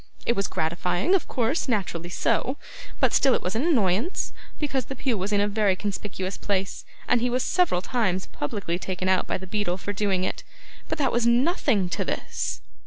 It was gratifying, of course, naturally so, but still it was an annoyance, because the pew was in a very conspicuous place, and he was several times publicly taken out by the beadle for doing it. But that was nothing to this.